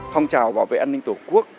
phong trào bảo vệ an ninh tổ quốc